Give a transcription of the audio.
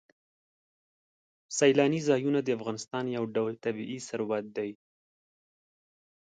سیلاني ځایونه د افغانستان یو ډول طبعي ثروت دی.